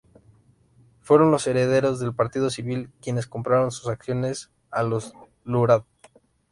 Fueron los herederos del Partido Civil quienes compraron sus acciones a los Durand.